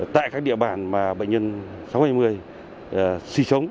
tại các địa bàn mà bệnh nhân sáu trăm hai mươi sinh sống